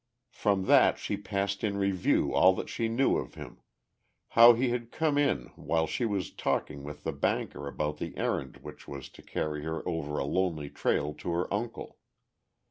From that she passed in review all that she knew of him; how he had come in while she was talking with the banker about the errand which was to carry her over a lonely trail to her uncle.